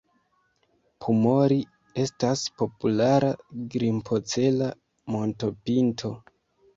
Pumori estas populara grimpocela montopinto.